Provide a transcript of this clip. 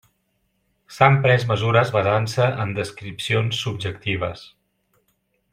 S'han pres mesures basant-se en descripcions subjectives.